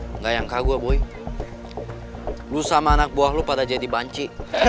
enggak yang kagu abuy lu sama anak buah lu pada jadi banci